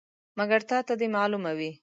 مګر تا ته دې معلومه وي.